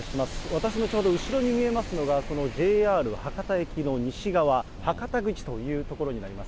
私のちょうど後ろに見えますのが、そのＪＲ博多駅の西側、博多口という所になります。